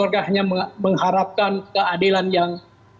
kami keluarganya mengharapkan keadilan yang